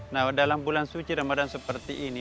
nah dalam bulan suci ramadan seperti ini